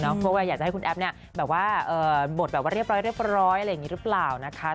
เพราะว่าอยากจะให้คุณแอฟเนี่ยแบบว่าบทแบบว่าเรียบร้อยอะไรอย่างนี้หรือเปล่านะคะ